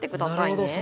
なるほど。